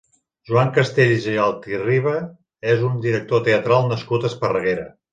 Joan Castells i Altirriba és un director teatral nascut a Esparreguera.